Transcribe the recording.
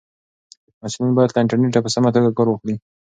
محصلین باید له انټرنیټه په سمه توګه کار واخلي.